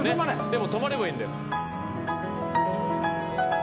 でも止まればいいんだよ。